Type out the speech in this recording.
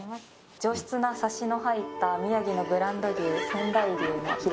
上質なサシの入った宮城のブランド牛、仙台牛のひれ